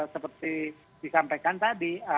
seperti disampaikan tadi